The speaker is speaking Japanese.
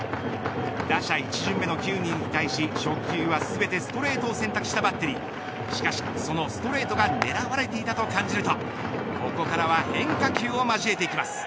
打者１巡目の９人に対し初球は全てストレートを選択したバッテリーしかしそのストレートが狙われていたと感じるとここからは変化球を交えてきます